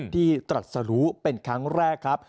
ที่ตรัสลุเป็นครั้งแรกครับ